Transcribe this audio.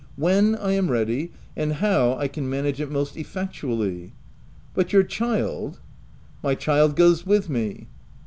" When I am ready, and how I can manage it most effectually." " But your child V " My child goes with me."